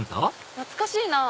懐かしいなぁ。